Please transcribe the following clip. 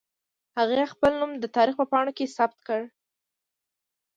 هغې خپل نوم د تاريخ په پاڼو کې ثبت کړ.